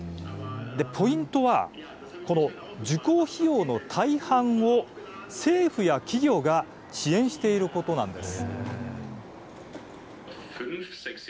ポイントは、受講費用の大半を政府や企業が支援していることなんです。